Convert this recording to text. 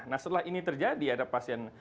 nah setelah ini terjadi ada pasien